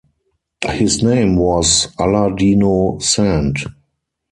His name was Allah Dino Sand.